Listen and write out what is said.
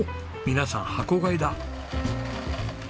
皆さん箱買いだ。